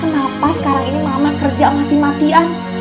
kenapa sekarang ini mama kerja mati matian